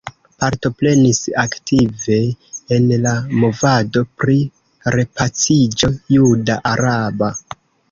Partoprenis aktive en la movado pri repaciĝo juda-araba.